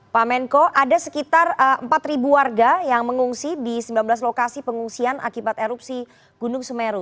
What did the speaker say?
pak menko ada sekitar empat warga yang mengungsi di sembilan belas lokasi pengungsian akibat erupsi gunung semeru